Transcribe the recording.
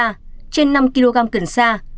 trên năm kg cần sa